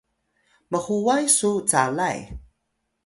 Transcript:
mhuway su calay!